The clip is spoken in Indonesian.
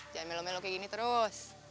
jangan melomel kayak gini terus